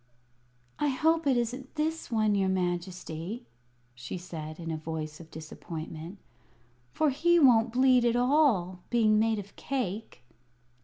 "I hope it isn't this one, your Majesty!" she said, in a voice of disappointment; "for he won't bleed at all, being made of cake."